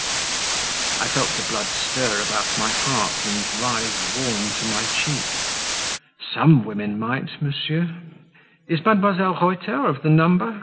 I felt the blood stir about my heart and rise warm to my cheek. "Some women might, monsieur." "Is Mdlle. Reuter of the number?